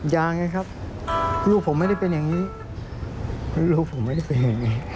ยังไงครับลูกผมไม่ได้เป็นอย่างนี้